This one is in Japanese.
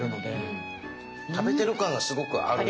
食べてる感がすごくあるし。